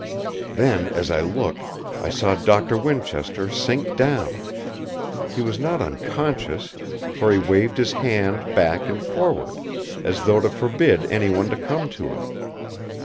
Then, as I looked, I saw Doctor Winchester sink down. He was not unconscious; for he waved his hand back and forward, as though to forbid any one to come to him.